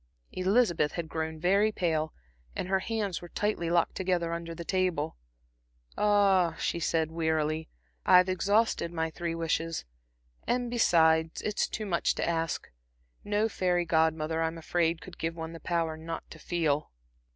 Elizabeth had grown very pale, and her hands were tightly locked together under the table. "Ah," she said, wearily "I've exhausted my three wishes. And, besides, it's too much to ask. No fairy Godmother, I'm afraid, could give one the power not to feel."